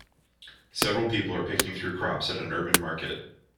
Several people are picking through crops at an urban market.